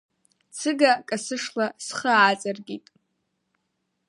Ӡыга касышла схы ааҵаркит.